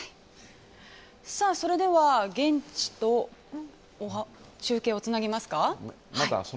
それでは現地と中継をつなぎますか？